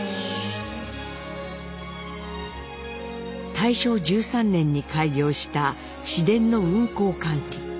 大正１３年に開業した市電の運行管理。